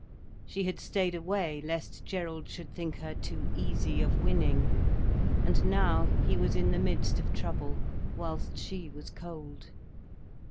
She had stayed away lest Gerald should think her too easy of winning. And now, he was in the midst of trouble, whilst she was cold.